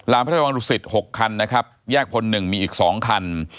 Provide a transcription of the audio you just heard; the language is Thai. ลามพระเจ้าวังดุสิต๖คันแยกพล๑มีอีก๒คัน